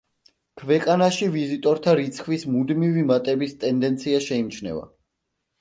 ქვეყანაში ვიზიტორთა რიცხვის მუდმივი მატების ტენდენცია შეიმჩნევა.